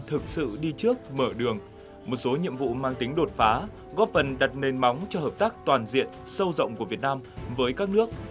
thực sự đi trước mở đường một số nhiệm vụ mang tính đột phá góp phần đặt nền móng cho hợp tác toàn diện sâu rộng của việt nam với các nước